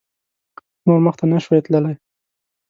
نور مخته نه شوای تللای.